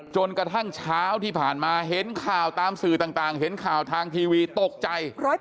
จนกระทั่งเช้าที่ผ่านมาเห็นข่าวตามสื่อต่างเห็นข่าวทางทีวีตกใจ